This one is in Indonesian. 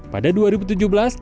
pada dua ribu tujuh belas